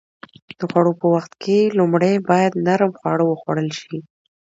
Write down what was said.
د خوړو په وخت کې لومړی باید نرم خواړه وخوړل شي.